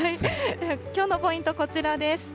きょうのポイント、こちらです。